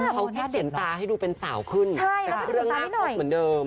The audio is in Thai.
เขาให้เสียงตาให้ดูเป็นสาวขึ้นแต่รูปน้าก็เหมือนเดิม